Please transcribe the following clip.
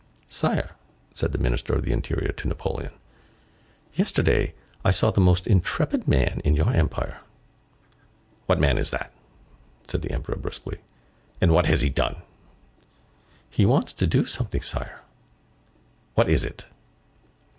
—"Sire," said the Minister of the Interior to Napoleon, "yesterday I saw the most intrepid man in your Empire."—"What man is that?" said the Emperor brusquely, "and what has he done?"—"He wants to do something, Sire."—"What is it?"